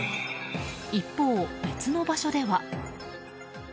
一方、別の場所では。